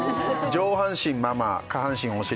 上半身ママ下半身お尻